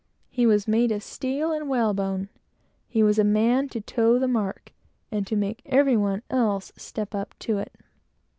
He was made of steel and whalebone. He was a man to "toe the mark," and to make every one else step up to it.